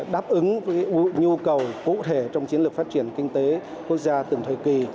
đáp ứng nhu cầu cụ thể trong chiến lược phát triển kinh tế quốc gia từng thời kỳ